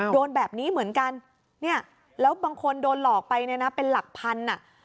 โดนแบบนี้เหมือนกันเนี่ยแล้วบางคนโดนหลอกไปเนี่ยนะเป็นหลักพันอ่ะ